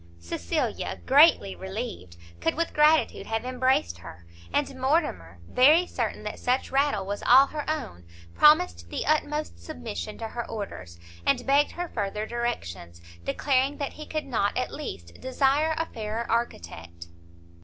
Cecilia, greatly relieved, could with gratitude have embraced her; and Mortimer, very certain that such rattle was all her own, promised the utmost submission to her orders, and begged her further directions, declaring that he could not, at least, desire a fairer architect.